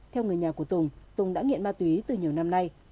theo người nhà của tùng tùng đã nghiện ma túy từ nhiều năm nay